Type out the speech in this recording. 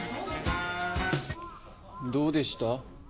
どうでした？